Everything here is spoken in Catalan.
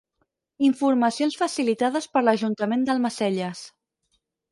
Informacions facilitades per l'ajuntament d'Almacelles.